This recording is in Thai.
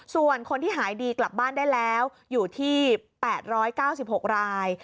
ส่วนคนที่หายดีกลับบ้านได้แล้วอยู่ที่๘๙๖ราย